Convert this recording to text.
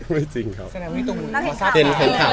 เสร็จแบบนี้ตุ้มน่าจะเห็นข่าว